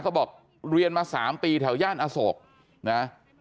เขาบอกเรียนมา๓ปีแถวย่านอโศกนะ